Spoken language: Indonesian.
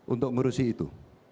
untuk ngurusin ini